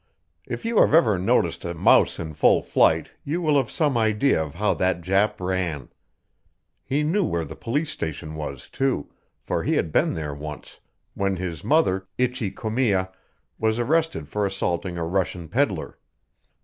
If you have ever noticed a mouse in full flight you will have some idea of how that Jap ran. He knew where the police station was, too, for he had been there once when his brother, Itchi Comia, was arrested for assaulting a Russian peddler.